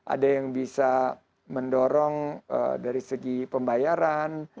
ada yang bisa mendorong dari segi pembayaran